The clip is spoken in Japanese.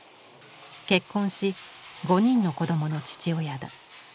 結婚し５人の子供の父親だ。